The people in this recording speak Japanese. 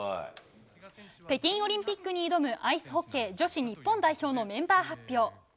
北京オリンピックに挑むアイスホッケー女子日本代表のメンバー発表。